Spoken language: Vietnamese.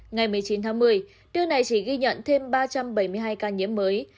ngày một mươi chín tháng một mươi nước này chỉ ghi nhận thêm ba trăm bảy mươi hai ca nhiễm mới